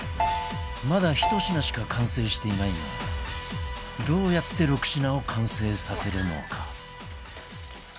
まだ１品しか完成していないがどうやって６品を完成させるのか？